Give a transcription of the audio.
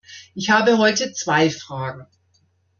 Ich habe heute zwei Fragen.